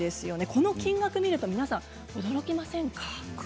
この金額を見ると驚きませんか？